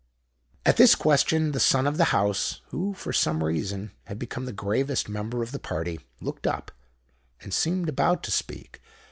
At this question the Son of the House, who for some reason had become the gravest member of the party, looked up and seemed about to speak.